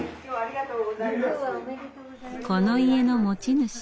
この家の持ち主